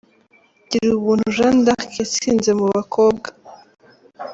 Girubuntu Jeanne d’Arc yatsinze mu bakobwa .